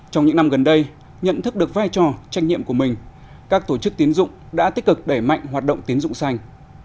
trong những năm gần đây nhận thức được vai trò trách nhiệm của mình các tổ chức tiến dụng đã tích cực đẩy mạnh hoạt động tiến dụng xanh